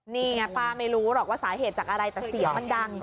นี่ไงป้าไม่รู้หรอกว่าสาเหตุจากอะไรแต่เสียงมันดัง